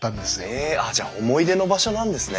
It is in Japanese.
へえじゃあ思い出の場所なんですね。